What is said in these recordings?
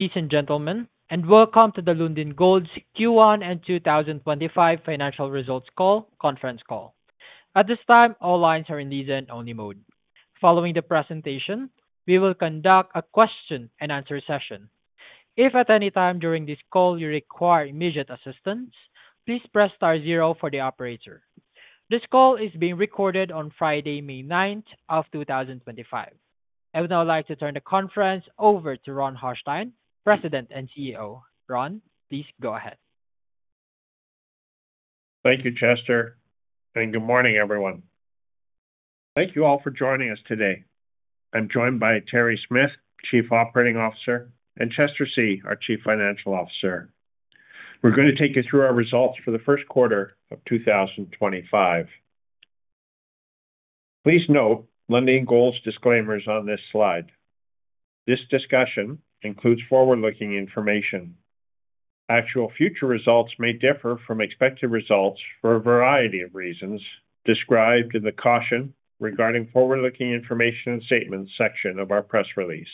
Ladies and gentlemen, and welcome to the Lundin Gold Q1 and 2025 financial results call, conference call. At this time, all lines are in listen-only mode. Following the presentation, we will conduct a question and answer session. If at any time during this call you require immediate assistance, please press star zero for the operator. This call is being recorded on Friday, May 9th of 2025. I would now like to turn the conference over to Ron Hochstein, President and CEO. Ron, please go ahead. Thank you, Chester. Good morning, everyone. Thank you all for joining us today. I'm joined by Terry Smith, Chief Operating Officer, and Chester See, our Chief Financial Officer. We're going to take you through our results for the first quarter of 2025. Please note Lundin Gold's disclaimers on this slide. This discussion includes forward-looking information. Actual future results may differ from expected results for a variety of reasons described in the caution regarding forward-looking information and statements section of our press release.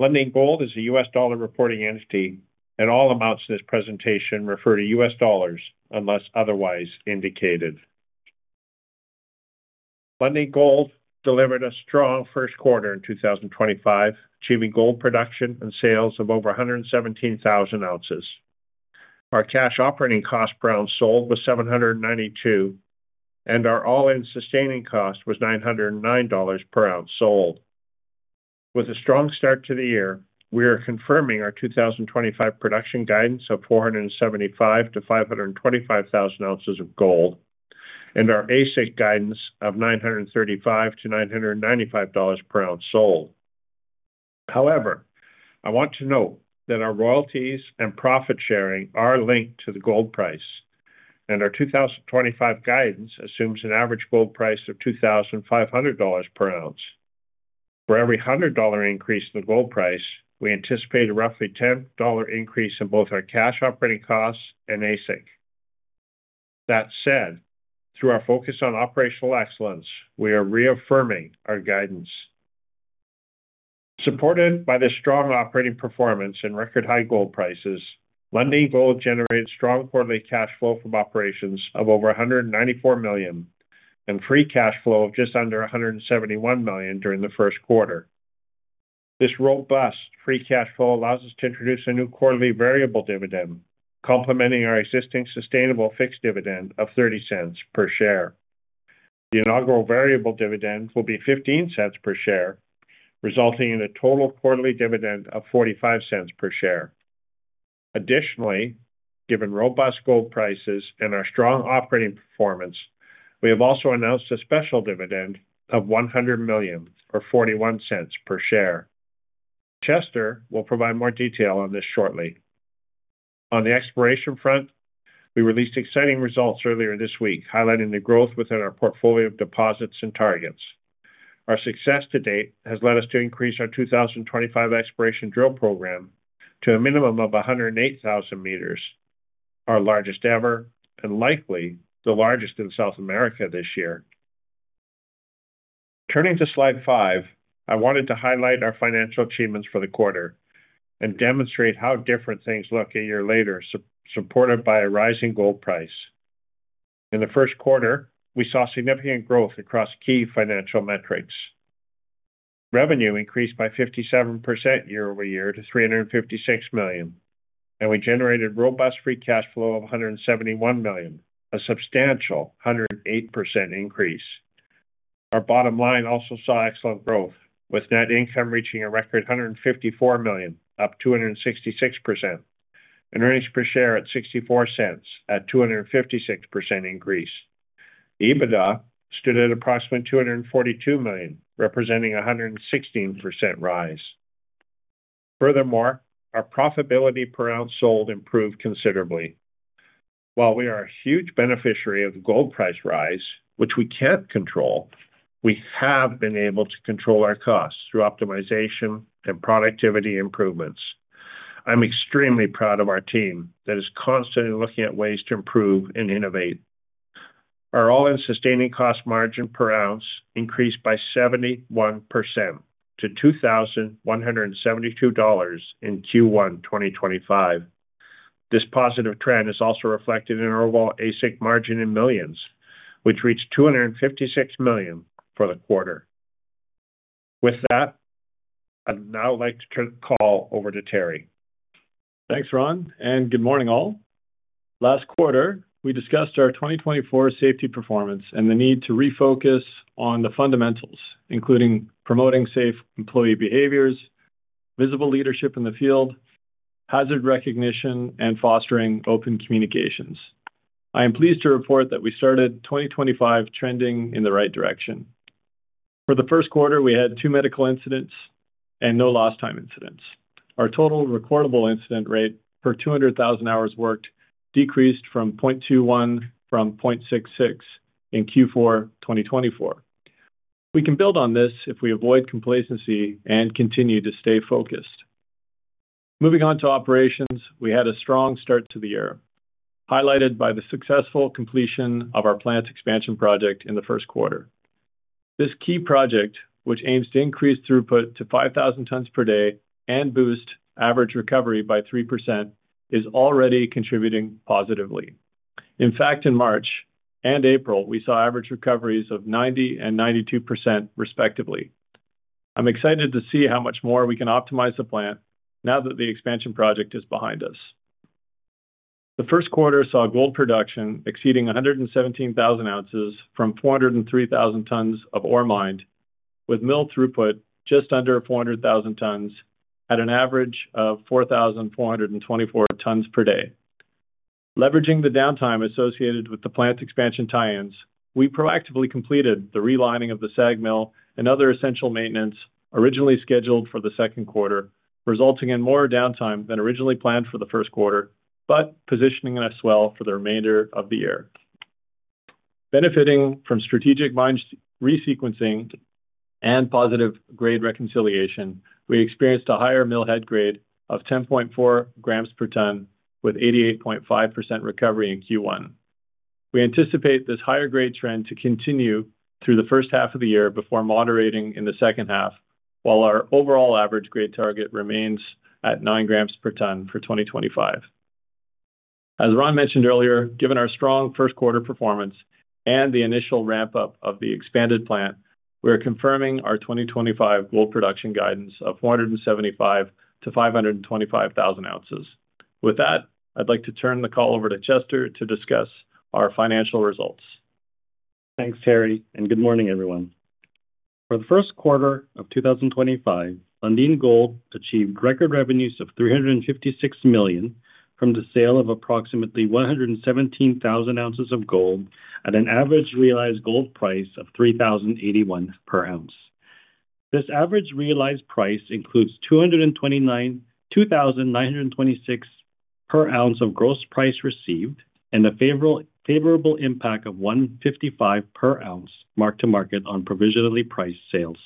Lundin Gold is a U.S. dollar reporting entity, and all amounts in this presentation refer to U.S. dollars unless otherwise indicated. Lundin Gold delivered a strong first quarter in 2025, achieving gold production and sales of over 117,000 ounces. Our cash operating cost per ounce sold was $792, and our all-in sustaining cost was $909 per ounce sold. With a strong start to the year, we are confirming our 2025 production guidance of 475,000-525,000 ounces of gold and our AISC guidance of $935-$995 per ounce sold. However, I want to note that our royalties and profit sharing are linked to the gold price, and our 2025 guidance assumes an average gold price of $2,500 per ounce. For every $100 increase in the gold price, we anticipate a roughly $10 increase in both our cash operating costs and AISC. That said, through our focus on operational excellence, we are reaffirming our guidance. Supported by the strong operating performance and record high gold prices, Lundin Gold generated strong quarterly cash flow from operations of over $194 million and free cash flow of just under $171 million during the first quarter. This robust free cash flow allows us to introduce a new quarterly variable dividend, complementing our existing sustainable fixed dividend of $0.30 per share. The inaugural variable dividend will be $0.15 per share, resulting in a total quarterly dividend of $0.45 per share. Additionally, given robust gold prices and our strong operating performance, we have also announced a special dividend of $100 million or $0.41 per share. Chester will provide more detail on this shortly. On the exploration front, we released exciting results earlier this week, highlighting the growth within our portfolio of deposits and targets. Our success to date has led us to increase our 2025 exploration drill program to a minimum of 108,000 meters, our largest ever and likely the largest in South America this year. Turning to slide five, I wanted to highlight our financial achievements for the quarter and demonstrate how different things look a year later, supported by a rising gold price. In the first quarter, we saw significant growth across key financial metrics. Revenue increased by 57% year over year to $356 million, and we generated robust free cash flow of $171 million, a substantial 108% increase. Our bottom line also saw excellent growth, with net income reaching a record $154 million, up 266%, and earnings per share at $0.64, a 256% increase. EBITDA stood at approximately $242 million, representing a 116% rise. Furthermore, our profitability per ounce sold improved considerably. While we are a huge beneficiary of the gold price rise, which we can't control, we have been able to control our costs through optimization and productivity improvements. I'm extremely proud of our team that is constantly looking at ways to improve and innovate. Our all-in sustaining cost margin per ounce increased by 71% to $2,172 in Q1 2025. This positive trend is also reflected in our overall AISC margin in millions, which reached $256 million for the quarter. With that, I'd now like to turn the call over to Terry. Thanks, Ron, and good morning, all. Last quarter, we discussed our 2024 safety performance and the need to refocus on the fundamentals, including promoting safe employee behaviors, visible leadership in the field, hazard recognition, and fostering open communications. I am pleased to report that we started 2025 trending in the right direction. For the first quarter, we had two medical incidents and no lost-time incidents. Our total recordable incident rate per 200,000 hours worked decreased to 0.21 from 0.66 in Q4 2024. We can build on this if we avoid complacency and continue to stay focused. Moving on to operations, we had a strong start to the year, highlighted by the successful completion of our plant expansion project in the first quarter. This key project, which aims to increase throughput to 5,000 tons per day and boost average recovery by 3%, is already contributing positively. In fact, in March and April, we saw average recoveries of 90% and 92%, respectively. I'm excited to see how much more we can optimize the plant now that the expansion project is behind us. The first quarter saw gold production exceeding 117,000 ounces from 403,000 tons of ore mined, with mill throughput just under 400,000 tons at an average of 4,424 tons per day. Leveraging the downtime associated with the plant expansion tie-ins, we proactively completed the relining of the SAG mill and other essential maintenance originally scheduled for the second quarter, resulting in more downtime than originally planned for the first quarter, but positioning us well for the remainder of the year. Benefiting from strategic mine re-sequencing and positive grade reconciliation, we experienced a higher mill head grade of 10.4 grams per ton, with 88.5% recovery in Q1. We anticipate this higher grade trend to continue through the first half of the year before moderating in the second half, while our overall average grade target remains at 9 grams per ton for 2025. As Ron mentioned earlier, given our strong first quarter performance and the initial ramp-up of the expanded plant, we are confirming our 2025 gold production guidance of 475,000-525,000 ounces. With that, I'd like to turn the call over to Chester to discuss our financial results. Thanks, Terry, and good morning, everyone. For the first quarter of 2025, Lundin Gold achieved record revenues of $356 million from the sale of approximately 117,000 ounces of gold at an average realized gold price of $3,081 per ounce. This average realized price includes $2,926 per ounce of gross price received and a favorable impact of $155 per ounce marked to market on provisionally priced sales.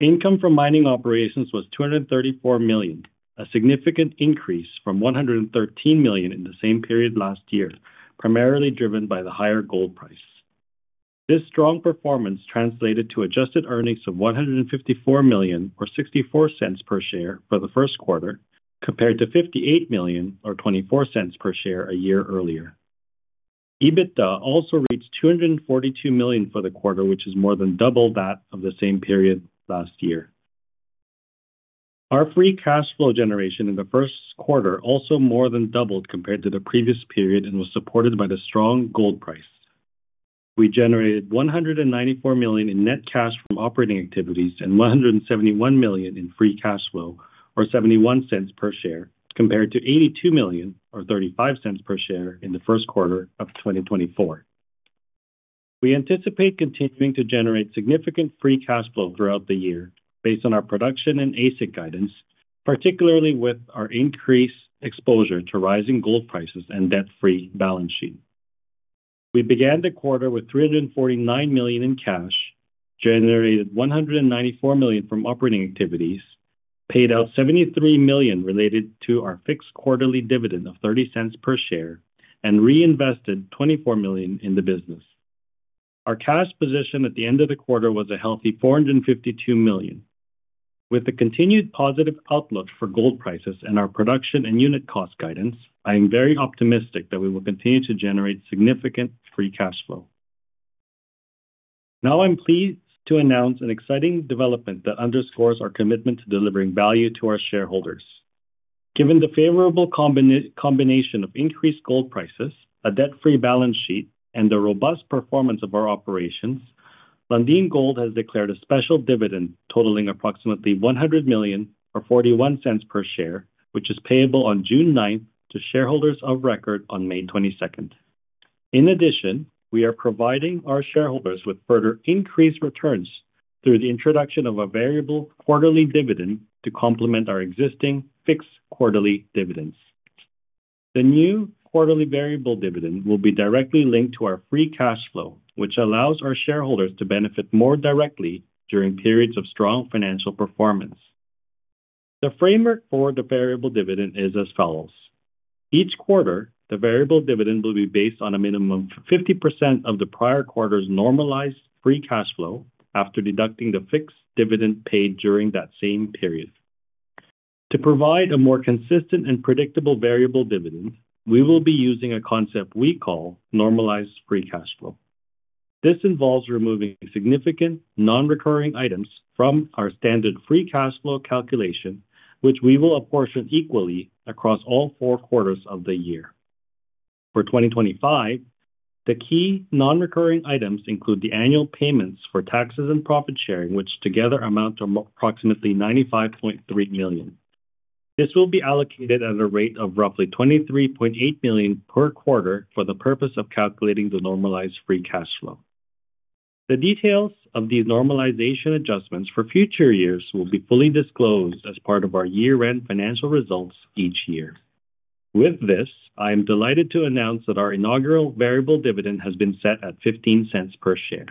Income from mining operations was $234 million, a significant increase from $113 million in the same period last year, primarily driven by the higher gold price. This strong performance translated to adjusted earnings of $154 million or $0.64 per share for the first quarter, compared to $58 million or $0.24 per share a year earlier. EBITDA also reached $242 million for the quarter, which is more than double that of the same period last year. Our free cash flow generation in the first quarter also more than doubled compared to the previous period and was supported by the strong gold price. We generated $194 million in net cash from operating activities and $171 million in free cash flow or $0.71 per share, compared to $82 million or $0.35 per share in the first quarter of 2024. We anticipate continuing to generate significant free cash flow throughout the year based on our production and AISC guidance, particularly with our increased exposure to rising gold prices and debt-free balance sheet. We began the quarter with $349 million in cash, generated $194 million from operating activities, paid out $73 million related to our fixed quarterly dividend of $0.30 per share, and reinvested $24 million in the business. Our cash position at the end of the quarter was a healthy $452 million. With the continued positive outlook for gold prices and our production and unit cost guidance, I am very optimistic that we will continue to generate significant free cash flow. Now I'm pleased to announce an exciting development that underscores our commitment to delivering value to our shareholders. Given the favorable combination of increased gold prices, a debt-free balance sheet, and the robust performance of our operations, Lundin Gold has declared a special dividend totaling approximately $100 million or $0.41 per share, which is payable on June 9th to shareholders of record on May 22nd. In addition, we are providing our shareholders with further increased returns through the introduction of a variable quarterly dividend to complement our existing fixed quarterly dividends. The new quarterly variable dividend will be directly linked to our free cash flow, which allows our shareholders to benefit more directly during periods of strong financial performance. The framework for the variable dividend is as follows. Each quarter, the variable dividend will be based on a minimum of 50% of the prior quarter's normalized free cash flow after deducting the fixed dividend paid during that same period. To provide a more consistent and predictable variable dividend, we will be using a concept we call normalized free cash flow. This involves removing significant non-recurring items from our standard free cash flow calculation, which we will apportion equally across all four quarters of the year. For 2025, the key non-recurring items include the annual payments for taxes and profit sharing, which together amount to approximately $95.3 million. This will be allocated at a rate of roughly $23.8 million per quarter for the purpose of calculating the normalized free cash flow. The details of these normalization adjustments for future years will be fully disclosed as part of our year-end financial results each year. With this, I am delighted to announce that our inaugural variable dividend has been set at $0.15 per share.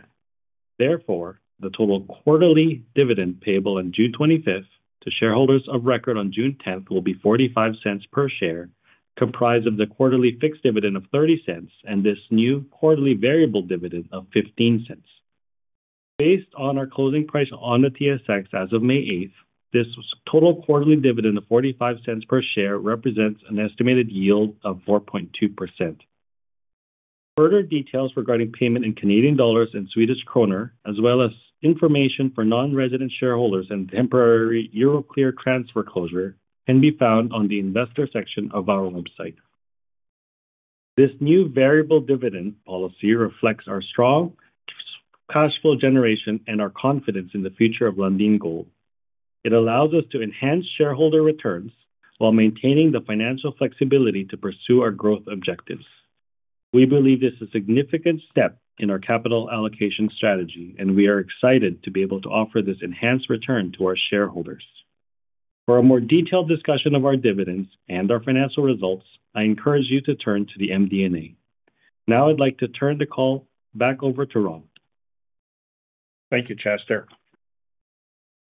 Therefore, the total quarterly dividend payable on June 25th to shareholders of record on June 10th will be $0.45 per share, comprised of the quarterly fixed dividend of $0.30 and this new quarterly variable dividend of $0.15. Based on our closing price on the TSX as of May 8th, this total quarterly dividend of $0.45 per share represents an estimated yield of 4.2%. Further details regarding payment in Canadian dollars and Swedish krona, as well as information for non-resident shareholders and temporary Euroclear transfer closure, can be found on the investor section of our website. This new variable dividend policy reflects our strong cash flow generation and our confidence in the future of Lundin Gold. It allows us to enhance shareholder returns while maintaining the financial flexibility to pursue our growth objectives. We believe this is a significant step in our capital allocation strategy, and we are excited to be able to offer this enhanced return to our shareholders. For a more detailed discussion of our dividends and our financial results, I encourage you to turn to the MD&A. Now I'd like to turn the call back over to Ron. Thank you, Chester.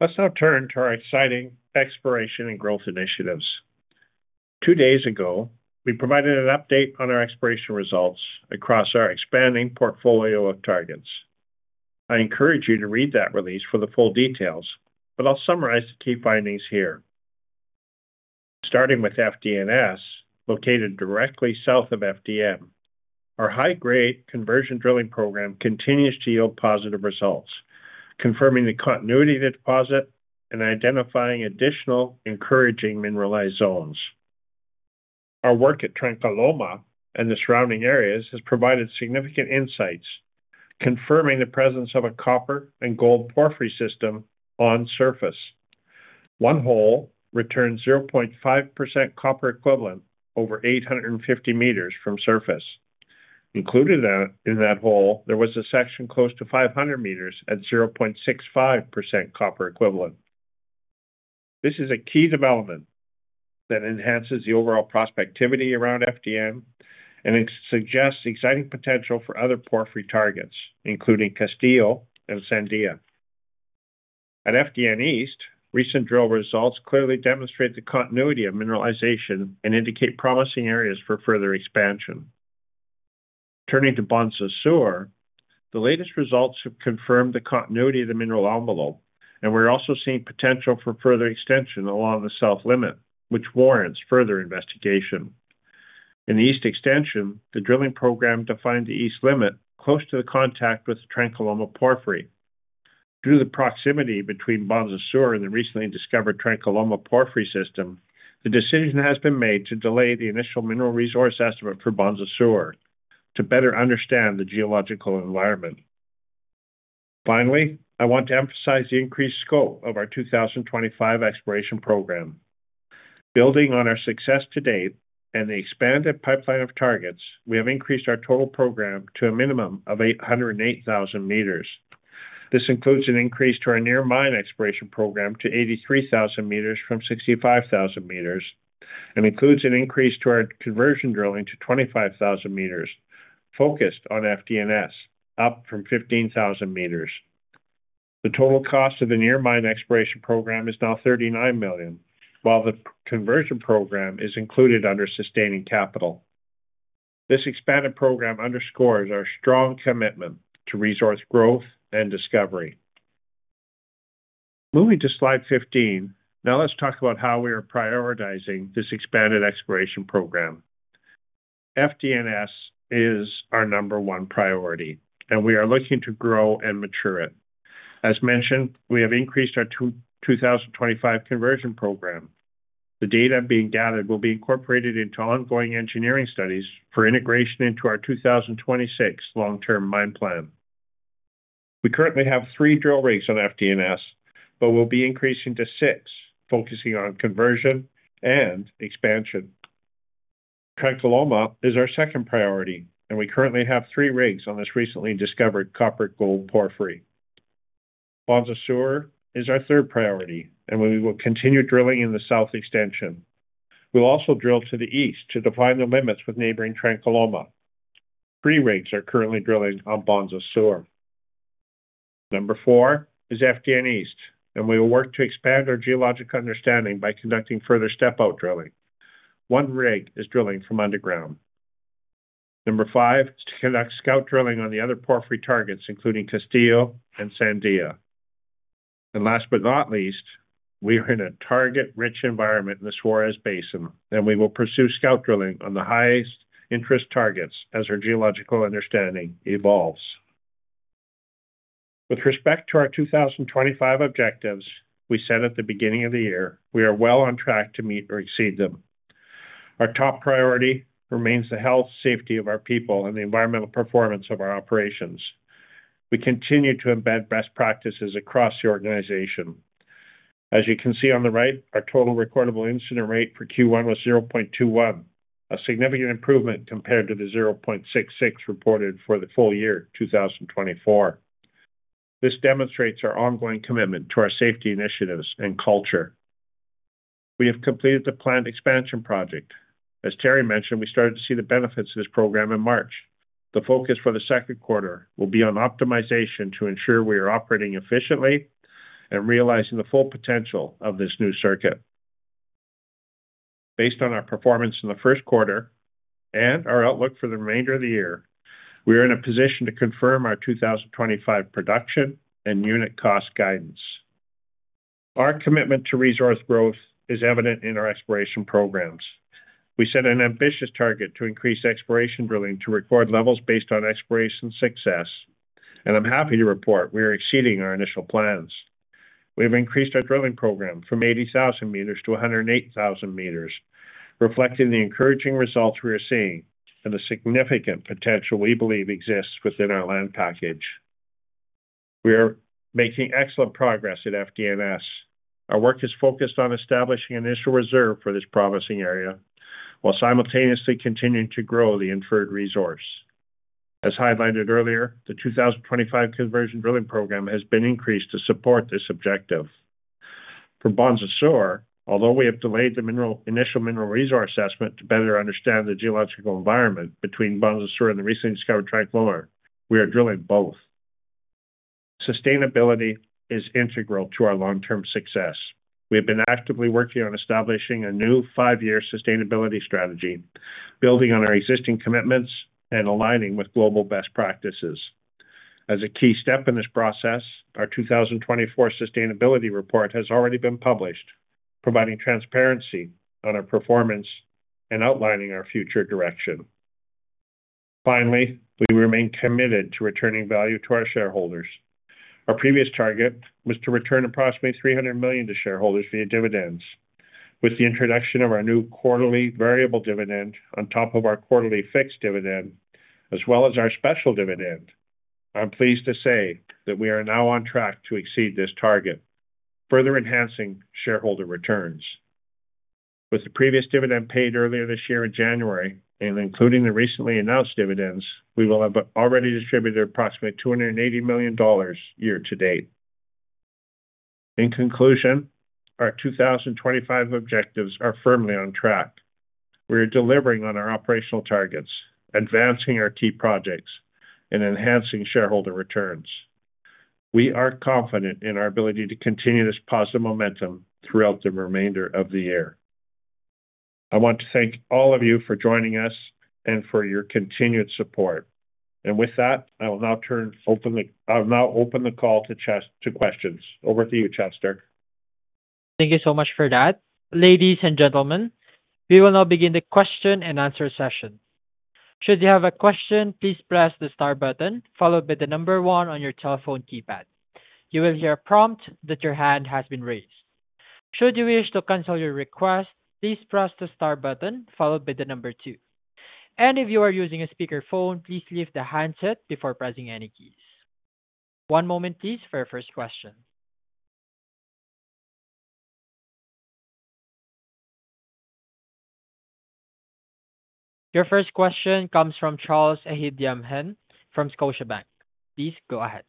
Let's now turn to our exciting exploration and growth initiatives. Two days ago, we provided an update on our exploration results across our expanding portfolio of targets. I encourage you to read that release for the full details, but I'll summarize the key findings here. Starting with FDNS, located directly south of FDN, our high-grade conversion drilling program continues to yield positive results, confirming the continuity of the deposit and identifying additional encouraging mineralized zones. Our work at Trancaloma and the surrounding areas has provided significant insights, confirming the presence of a copper and gold porphyry system on surface. One hole returned 0.5% copper equivalent over 850 meters from surface. Included in that hole, there was a section close to 500 meters at 0.65% copper equivalent. This is a key development that enhances the overall prospectivity around FDN and suggests exciting potential for other porphyry targets, including Castillo and Sandia. At FDN East, recent drill results clearly demonstrate the continuity of mineralization and indicate promising areas for further expansion. Turning to Bonza Sur, the latest results have confirmed the continuity of the mineral envelope, and we're also seeing potential for further extension along the south limit, which warrants further investigation. In the east extension, the drilling program defined the east limit close to the contact with Trancaloma porphyry. Due to the proximity between Bonza Sur and the recently discovered Trancaloma porphyry system, the decision has been made to delay the initial mineral resource estimate for Bonza Sur to better understand the geological environment. Finally, I want to emphasize the increased scope of our 2025 exploration program. Building on our success to date and the expanded pipeline of targets, we have increased our total program to a minimum of 808,000 meters. This includes an increase to our near-mine exploration program to 83,000 meters from 65,000 meters and includes an increase to our conversion drilling to 25,000 meters focused on FDNS, up from 15,000 meters. The total cost of the near-mine exploration program is now $39 million, while the conversion program is included under sustaining capital. This expanded program underscores our strong commitment to resource growth and discovery. Moving to slide 15, now let's talk about how we are prioritizing this expanded exploration program. FDNS is our number one priority, and we are looking to grow and mature it. As mentioned, we have increased our 2025 conversion program. The data being gathered will be incorporated into ongoing engineering studies for integration into our 2026 long-term mine plan. We currently have three drill rigs on FDNS, but we'll be increasing to six, focusing on conversion and expansion. Trancaloma is our second priority, and we currently have three rigs on this recently discovered copper-gold porphyry. Bonza Sur is our third priority, and we will continue drilling in the south extension. We'll also drill to the east to define the limits with neighboring Trancaloma. Three rigs are currently drilling on Bonza Sur. Number four is FDN East, and we will work to expand our geologic understanding by conducting further step-out drilling. One rig is drilling from underground. Number five is to conduct scout drilling on the other porphyry targets, including Castillo and Sandia. Last but not least, we are in a target-rich environment in the Suarez Basin, and we will pursue scout drilling on the highest interest targets as our geological understanding evolves. With respect to our 2025 objectives we set at the beginning of the year, we are well on track to meet or exceed them. Our top priority remains the health, safety of our people, and the environmental performance of our operations. We continue to embed best practices across the organization. As you can see on the right, our total recordable incident rate for Q1 was 0.21, a significant improvement compared to the 0.66 reported for the full year 2024. This demonstrates our ongoing commitment to our safety initiatives and culture. We have completed the planned expansion project. As Terry mentioned, we started to see the benefits of this program in March. The focus for the second quarter will be on optimization to ensure we are operating efficiently and realizing the full potential of this new circuit. Based on our performance in the first quarter and our outlook for the remainder of the year, we are in a position to confirm our 2025 production and unit cost guidance. Our commitment to resource growth is evident in our exploration programs. We set an ambitious target to increase exploration drilling to record levels based on exploration success, and I'm happy to report we are exceeding our initial plans. We have increased our drilling program from 80,000 meters to 108,000 meters, reflecting the encouraging results we are seeing and the significant potential we believe exists within our land package. We are making excellent progress at FDNS. Our work is focused on establishing an initial reserve for this promising area while simultaneously continuing to grow the inferred resource. As highlighted earlier, the 2025 conversion drilling program has been increased to support this objective. For Bonza Sur, although we have delayed the initial mineral resource assessment to better understand the geological environment between Bonza Sur and the recently discovered Trancaloma, we are drilling both. Sustainability is integral to our long-term success. We have been actively working on establishing a new five-year sustainability strategy, building on our existing commitments and aligning with global best practices. As a key step in this process, our 2024 sustainability report has already been published, providing transparency on our performance and outlining our future direction. Finally, we remain committed to returning value to our shareholders. Our previous target was to return approximately $300 million to shareholders via dividends. With the introduction of our new quarterly variable dividend on top of our quarterly fixed dividend, as well as our special dividend, I'm pleased to say that we are now on track to exceed this target, further enhancing shareholder returns. With the previous dividend paid earlier this year in January and including the recently announced dividends, we will have already distributed approximately $280 million year to date. In conclusion, our 2025 objectives are firmly on track. We are delivering on our operational targets, advancing our key projects, and enhancing shareholder returns. We are confident in our ability to continue this positive momentum throughout the remainder of the year. I want to thank all of you for joining us and for your continued support. I will now open the call to questions. Over to you, Chester. Thank you so much for that. Ladies and gentlemen, we will now begin the question and answer session. Should you have a question, please press the star button followed by the number one on your telephone keypad. You will hear a prompt that your hand has been raised. Should you wish to cancel your request, please press the star button followed by the number two. If you are using a speakerphone, please leave the handset before pressing any keys. One moment, please, for our first question. Your first question comes from Charles Ehidiamhen from Scotiabank. Please go ahead.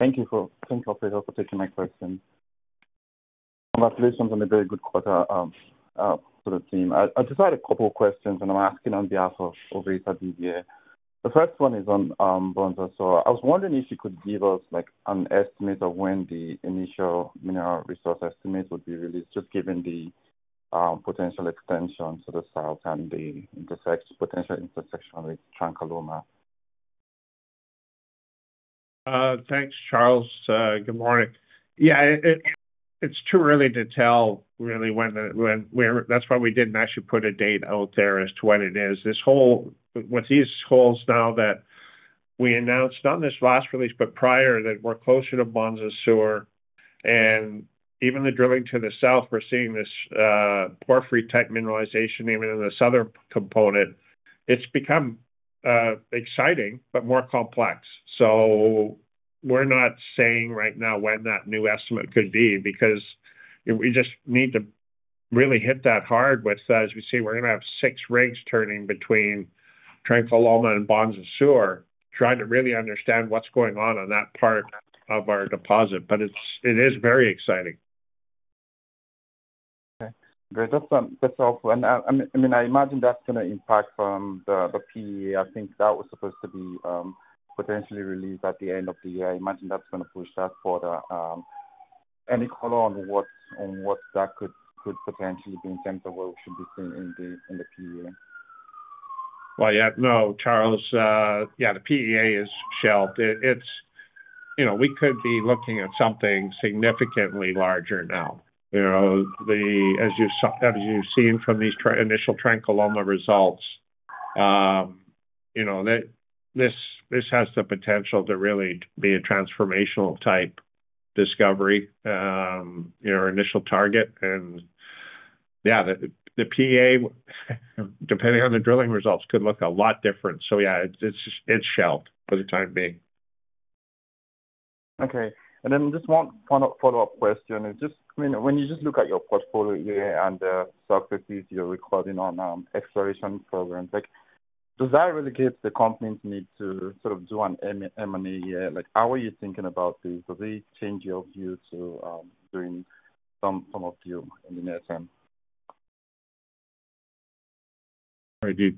Thank you, Chester, for taking my question. Congratulations on a very good quarter for the team. I just had a couple of questions, and I'm asking on behalf of Ovita DDA. The first one is on Bonza Sur. I was wondering if you could give us an estimate of when the initial mineral resource estimate would be released, just given the potential extension to the south and the potential intersection with Trancaloma. Thanks, Charles. Good morning. Yeah, it's too early to tell really when that's why we didn't actually put a date out there as to when it is. With these holes now that we announced on this last release, but prior that we're closer to Bonza Sur, and even the drilling to the south, we're seeing this porphyry-type mineralization even in the southern component. It's become exciting, but more complex. We are not saying right now when that new estimate could be because we just need to really hit that hard with that. As you see, we're going to have six rigs turning between Trancaloma and Bonza Sur, trying to really understand what's going on on that part of our deposit. It is very exciting. Okay. Great. That's helpful. I mean, I imagine that's going to impact the PEA. I think that was supposed to be potentially released at the end of the year. I imagine that's going to push that further. Any color on what that could potentially be in terms of what we should be seeing in the PEA? Yeah, no, Charles, yeah, the PEA is shelved. We could be looking at something significantly larger now. As you have seen from these initial Trancaloma results, this has the potential to really be a transformational-type discovery, our initial target. Yeah, the PEA, depending on the drilling results, could look a lot different. Yeah, it is shelved for the time being. Okay. And then just one follow-up question. When you just look at your portfolio year and the successes you're recording on exploration programs, does that really give the company a need to sort of do an M&A year? How are you thinking about this? Does it change your view to doing some M&A in the near term? I do.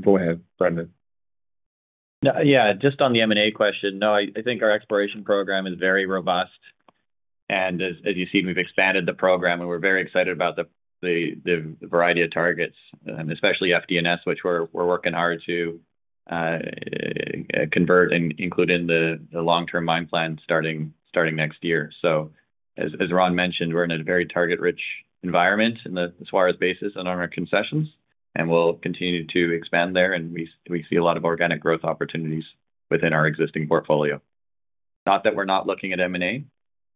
Go ahead, Brendan. Yeah, just on the M&A question, no, I think our exploration program is very robust. As you see, we've expanded the program, and we're very excited about the variety of targets, especially FDNS, which we're working hard to convert and include in the long-term mine plan starting next year. As Ron mentioned, we're in a very target-rich environment in the Suarez Basin and on our concessions, and we'll continue to expand there, and we see a lot of organic growth opportunities within our existing portfolio. Not that we're not looking at M&A,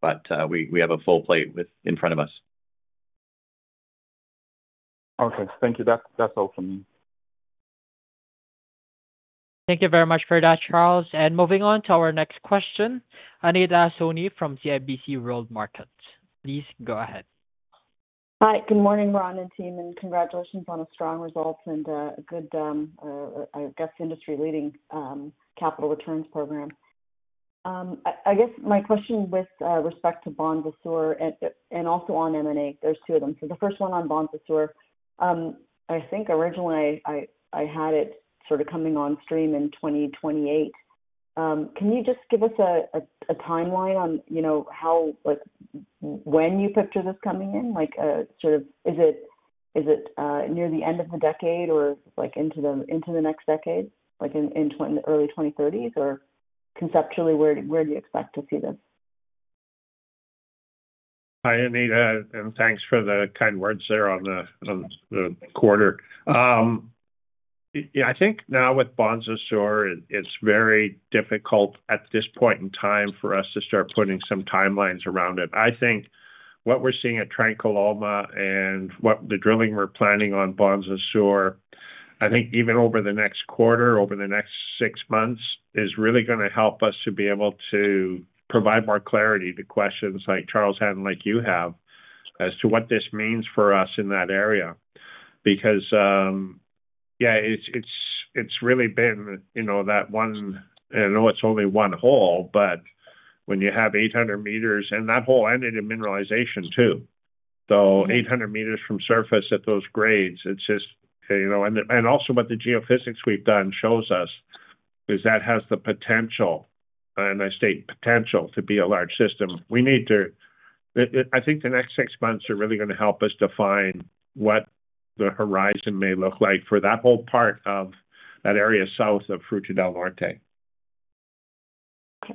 but we have a full plate in front of us. Okay. Thank you. That's all from me. Thank you very much for that, Charles. Moving on to our next question, Anita Soni from CIBC World Markets. Please go ahead. Hi, good morning, Ron and team, and congratulations on a strong result and a good, I guess, industry-leading capital returns program. I guess my question with respect to Bonza Sur and also on M&A, there's two of them. The first one on Bonza Sur, I think originally I had it sort of coming on stream in 2028. Can you just give us a timeline on when you picture this coming in? Sort of is it near the end of the decade or into the next decade, in the early 2030s, or conceptually, where do you expect to see this? Hi, Anita, and thanks for the kind words there on the quarter. Yeah, I think now with Bonza Sur, it's very difficult at this point in time for us to start putting some timelines around it. I think what we're seeing at Trancaloma and the drilling we're planning on Bonza Sur, I think even over the next quarter, over the next six months, is really going to help us to be able to provide more clarity to questions like Charles had and like you have as to what this means for us in that area. Because, yeah, it's really been that one—I know it's only one hole—but when you have 800 meters, and that hole ended in mineralization too. Eight hundred meters from surface at those grades, it's just—and also what the geophysics we've done shows us is that has the potential, and I state potential, to be a large system. We need to—I think the next six months are really going to help us define what the horizon may look like for that whole part of that area south of Fruta del Norte. Okay.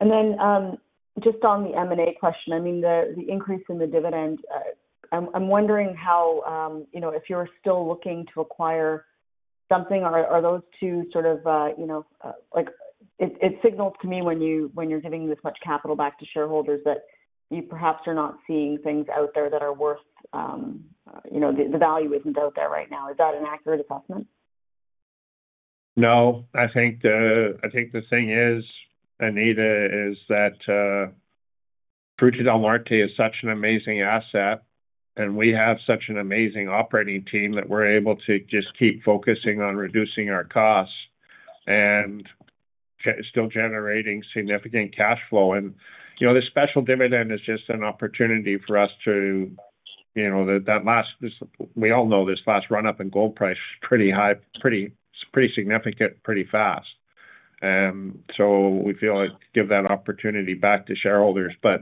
And then just on the M&A question, I mean, the increase in the dividend, I'm wondering how if you're still looking to acquire something, are those two sort of—it signals to me when you're giving this much capital back to shareholders that you perhaps are not seeing things out there that are worth—the value isn't out there right now. Is that an accurate assessment? No. I think the thing is, Anita, is that Fruta del Norte is such an amazing asset, and we have such an amazing operating team that we're able to just keep focusing on reducing our costs and still generating significant cash flow. The special dividend is just an opportunity for us to—we all know this last run-up in gold price is pretty high, pretty significant, pretty fast. We feel like give that opportunity back to shareholders. Do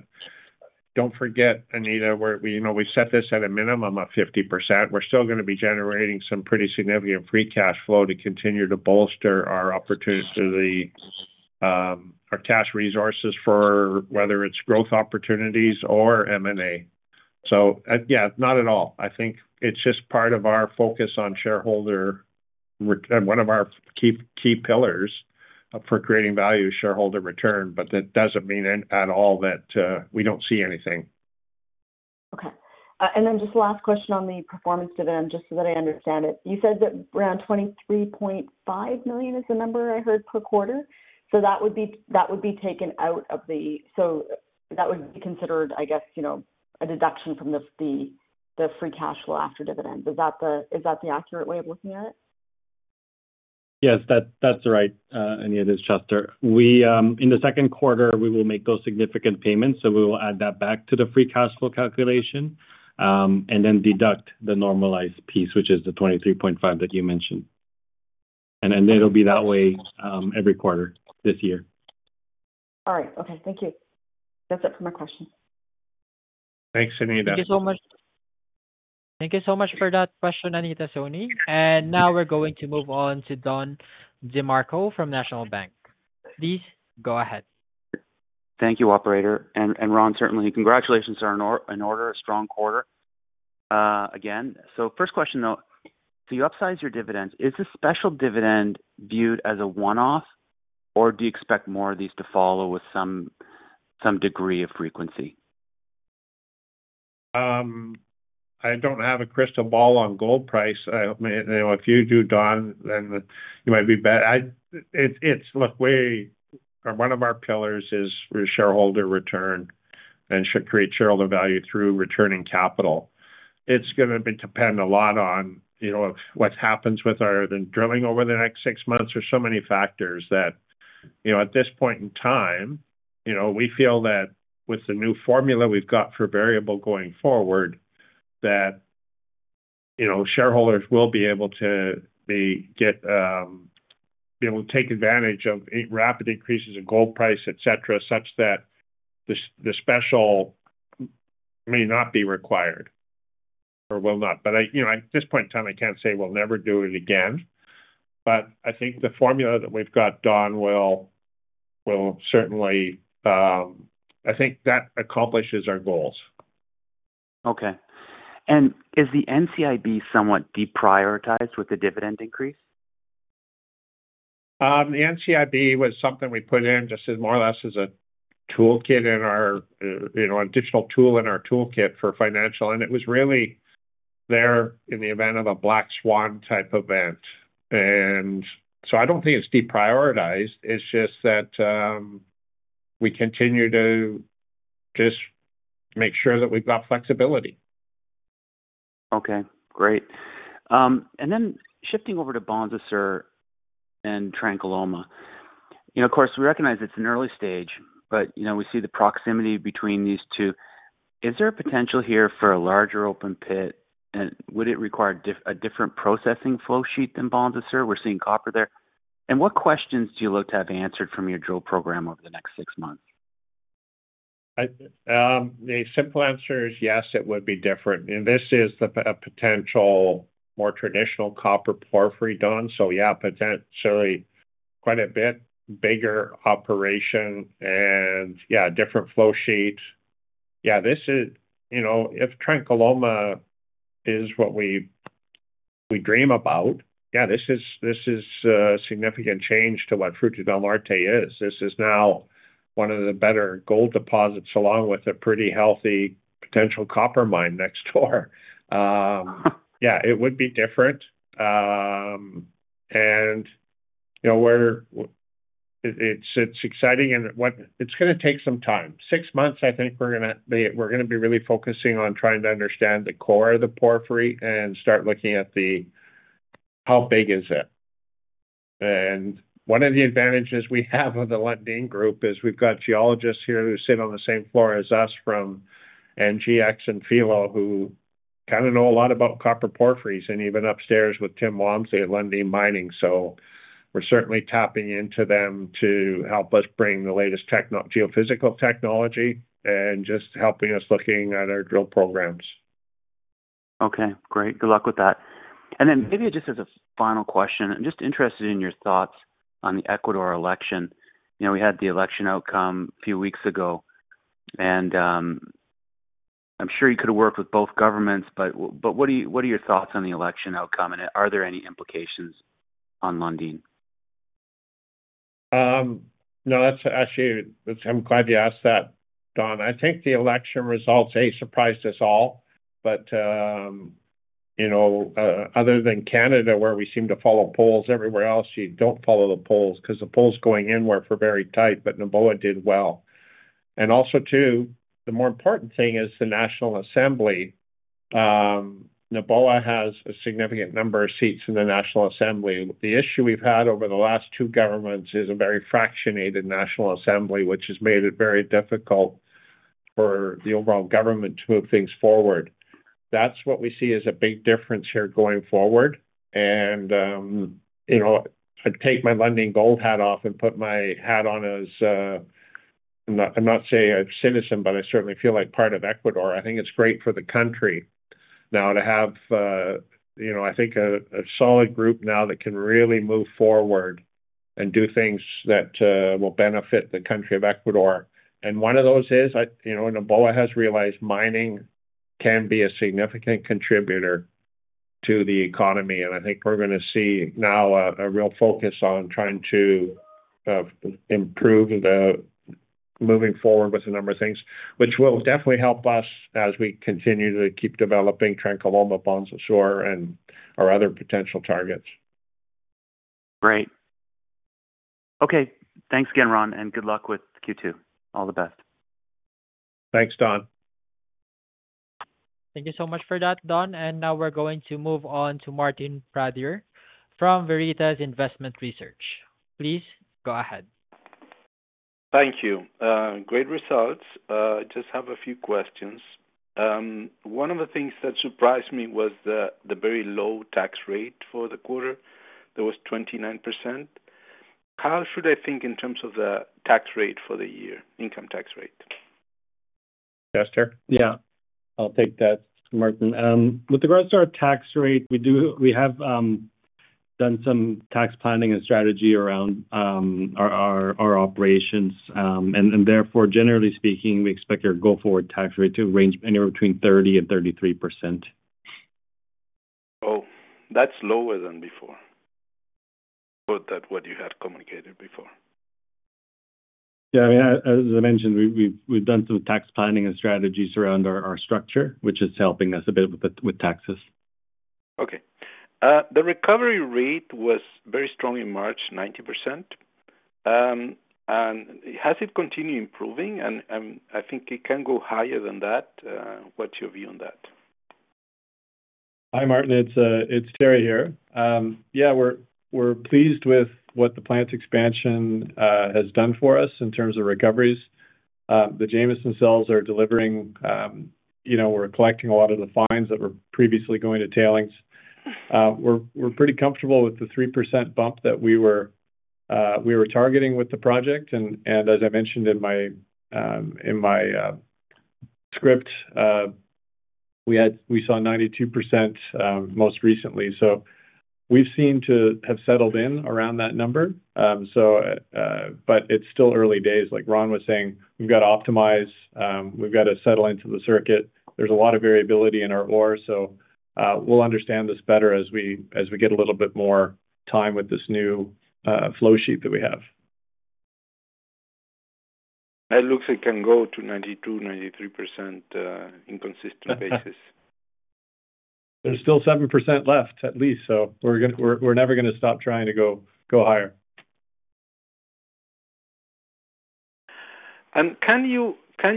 not forget, Anita, we set this at a minimum of 50%. We're still going to be generating some pretty significant free cash flow to continue to bolster our opportunities, our cash resources for whether it's growth opportunities or M&A. Yeah, not at all. I think it's just part of our focus on shareholder—one of our key pillars for creating value, shareholder return. That does not mean at all that we do not see anything. Okay. And then just last question on the performance dividend, just so that I understand it. You said that around $23.5 million is the number I heard per quarter. That would be taken out of the—so that would be considered, I guess, a deduction from the free cash flow after dividends. Is that the accurate way of looking at it? Yes, that's right, Anita, it's Chester. In the second quarter, we will make those significant payments, so we will add that back to the free cash flow calculation and then deduct the normalized piece, which is the $23.5 million that you mentioned. It will be that way every quarter this year. All right. Okay. Thank you. That's it for my question. Thanks, Anita. Thank you so much. Thank you so much for that question, Anita Soni. Now we're going to move on to Don DeMarco from National Bank. Please go ahead. Thank you, Operator. Ron, certainly, congratulations on an order, a strong quarter again. First question, though, to upsize your dividends, is the special dividend viewed as a one-off, or do you expect more of these to follow with some degree of frequency? I don't have a crystal ball on gold price. If you do, Don, then you might be better. Look, one of our pillars is shareholder return and create shareholder value through returning capital. It's going to depend a lot on what happens with our drilling over the next six months. There are so many factors that at this point in time, we feel that with the new formula we've got for variable going forward, that shareholders will be able to take advantage of rapid increases in gold price, etc., such that the special may not be required or will not. At this point in time, I can't say we'll never do it again. I think the formula that we've got, Don, will certainly—I think that accomplishes our goals. Okay. Is the NCIB somewhat deprioritized with the dividend increase? The NCIB was something we put in just more or less as a toolkit, an additional tool in our toolkit for financial. It was really there in the event of a black swan type event. I do not think it is deprioritized. It is just that we continue to just make sure that we have got flexibility. Okay. Great. Then shifting over to Bonza Sur and Trancaloma. Of course, we recognize it's an early stage, but we see the proximity between these two. Is there a potential here for a larger open pit? Would it require a different processing flow sheet than Bonza Sur? We're seeing copper there. What questions do you look to have answered from your drill program over the next six months? The simple answer is yes, it would be different. This is a potential more traditional copper porphyry, Don. Yeah, potentially quite a bit bigger operation and, yeah, different flow sheet. If Trancaloma is what we dream about, this is a significant change to what Fruta del Norte is. This is now one of the better gold deposits along with a pretty healthy potential copper mine next door. It would be different. It is exciting. It is going to take some time. Six months, I think we are going to be really focusing on trying to understand the core of the porphyry and start looking at how big is it. One of the advantages we have of the Lundin Group is we have got geologists here who sit on the same floor as us from NGEx and Filo who kind of know a lot about copper porphyries. Even upstairs with Tim Walmsley at Lundin Mining. We are certainly tapping into them to help us bring the latest geophysical technology and just helping us looking at our drill programs. Okay. Great. Good luck with that. Maybe just as a final question, I'm just interested in your thoughts on the Ecuador election. We had the election outcome a few weeks ago. I'm sure you could have worked with both governments, but what are your thoughts on the election outcome? Are there any implications on Lundin? No, actually, I'm glad you asked that, Don. I think the election results, A, surprised us all. Other than Canada, where we seem to follow polls, everywhere else, you do not follow the polls because the polls going in were very tight, but Noboa did well. Also, the more important thing is the National Assembly. Noboa has a significant number of seats in the National Assembly. The issue we've had over the last two governments is a very fractionated National Assembly, which has made it very difficult for the overall government to move things forward. That is what we see as a big difference here going forward. I would take my Lundin Gold hat off and put my hat on as—I am not saying a citizen, but I certainly feel like part of Ecuador. I think it's great for the country now to have, I think, a solid group now that can really move forward and do things that will benefit the country of Ecuador. One of those is Noboa has realized mining can be a significant contributor to the economy. I think we're going to see now a real focus on trying to improve moving forward with a number of things, which will definitely help us as we continue to keep developing Trancaloma, Bonza Sur, and our other potential targets. Great. Okay. Thanks again, Ron. Good luck with Q2. All the best. Thanks, Don. Thank you so much for that, Don. Now we're going to move on to Martin Pradier from Veritas Investment Research. Please go ahead. Thank you. Great results. I just have a few questions. One of the things that surprised me was the very low tax rate for the quarter. That was 29%. How should I think in terms of the tax rate for the year, income tax rate? Chester? Yeah. I'll take that, Martin. With regards to our tax rate, we have done some tax planning and strategy around our operations. Therefore, generally speaking, we expect our go forward tax rate to range anywhere between 30% and 33%. Oh, that's lower than before. Good, that what you had communicated before. Yeah. I mean, as I mentioned, we've done some tax planning and strategies around our structure, which is helping us a bit with taxes. Okay. The recovery rate was very strong in March, 90%. Has it continued improving? I think it can go higher than that. What's your view on that? Hi, Martin. It's Terry here. Yeah, we're pleased with what the plant's expansion has done for us in terms of recoveries. The Jameson cells are delivering. We're collecting a lot of the fines that were previously going to tailings. We're pretty comfortable with the 3% bump that we were targeting with the project. As I mentioned in my script, we saw 92% most recently. We seem to have settled in around that number. It is still early days. Like Ron was saying, we've got to optimize. We've got to settle into the circuit. There's a lot of variability in our ore. We will understand this better as we get a little bit more time with this new flow sheet that we have. It looks it can go to 92-93% on a consistent basis. There's still 7% left, at least. We're never going to stop trying to go higher. Can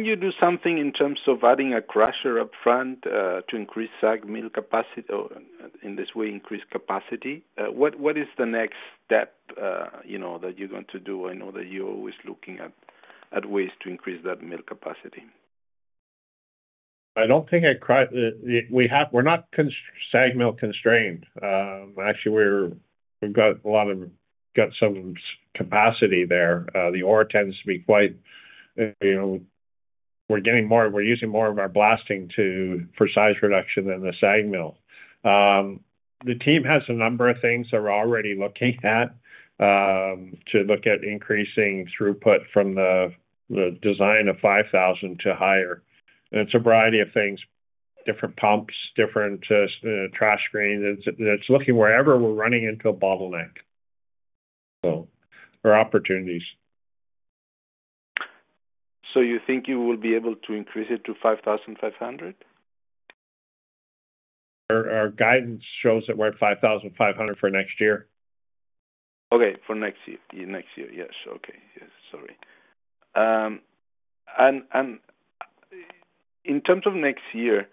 you do something in terms of adding a crusher upfront to increase SAG mill capacity or in this way, increase capacity? What is the next step that you're going to do? I know that you're always looking at ways to increase that mill capacity. I do not think we are not SAG mill constrained. Actually, we have got some capacity there. The ore tends to be quite, we are using more of our blasting for size reduction than the SAG mill. The team has a number of things they are already looking at to look at increasing throughput from the design of 5,000 to higher. It is a variety of things, different pumps, different trash screens. It is looking wherever we are running into a bottleneck or opportunities. You think you will be able to increase it to 5,500? Our guidance shows that we're at 5,500 for next year. Okay. For next year. Yes. Okay. Yes. Sorry. In terms of next year,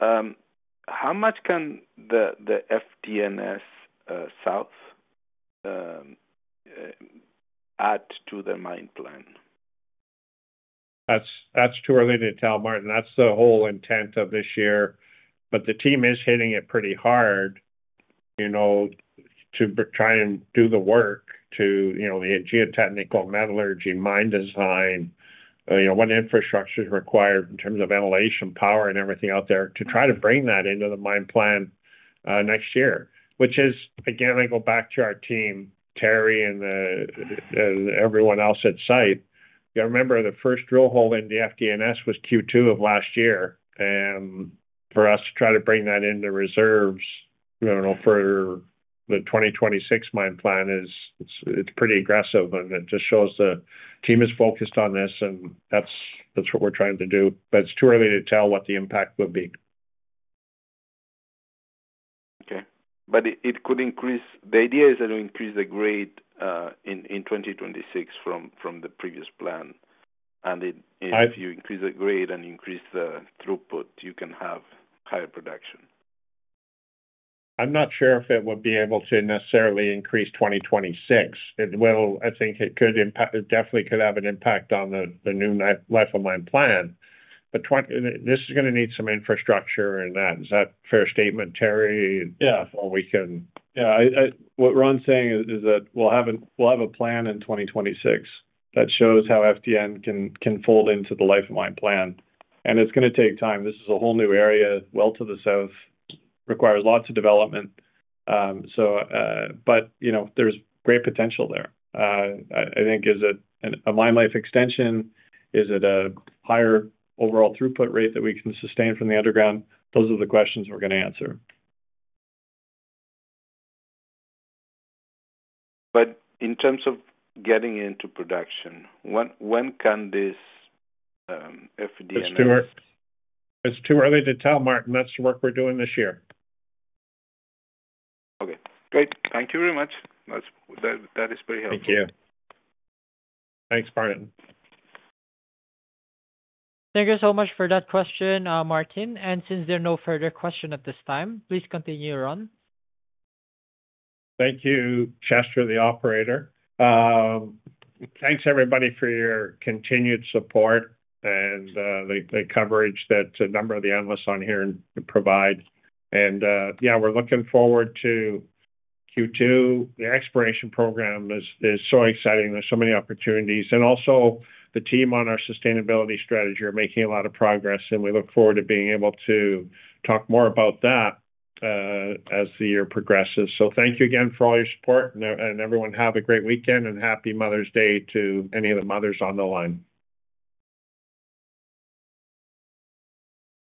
how much can the FDNS South add to their mine plan? That's too early to tell, Martin. That's the whole intent of this year. The team is hitting it pretty hard to try and do the work to the geotechnical, metallurgy, mine design, what infrastructure is required in terms of ventilation, power, and everything out there to try to bring that into the mine plan next year, which is, again, I go back to our team, Terry and everyone else at site. You remember the first drill hole in the FDNS was Q2 of last year. For us to try to bring that into reserves for the 2026 mine plan, it's pretty aggressive. It just shows the team is focused on this, and that's what we're trying to do. It's too early to tell what the impact would be. Okay. It could increase. The idea is that it will increase the grade in 2026 from the previous plan. If you increase the grade and increase the throughput, you can have higher production. I'm not sure if it would be able to necessarily increase 2026. I think it definitely could have an impact on the new life of mine plan. This is going to need some infrastructure and that. Is that a fair statement, Terry? Yeah. Yeah. What Ron's saying is that we'll have a plan in 2026 that shows how FDN can fold into the life of mine plan. It's going to take time. This is a whole new area well to the south. It requires lots of development. There's great potential there. I think is it a mine life extension? Is it a higher overall throughput rate that we can sustain from the underground? Those are the questions we're going to answer. In terms of getting into production, when can this FDNS? It's too early to tell, Martin. That's the work we're doing this year. Okay. Great. Thank you very much. That is very helpful. Thank you. Thanks, Martin. Thank you so much for that question, Martin. Since there are no further questions at this time, please continue, Ron. Thank you, Chester, the operator. Thanks, everybody, for your continued support and the coverage that a number of the analysts on here provide. Yeah, we're looking forward to Q2. The exploration program is so exciting. There are so many opportunities. Also, the team on our sustainability strategy are making a lot of progress. We look forward to being able to talk more about that as the year progresses. Thank you again for all your support. Everyone, have a great weekend and Happy Mother's Day to any of the mothers on the line.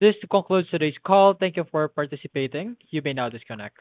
This concludes today's call. Thank you for participating. You may now disconnect.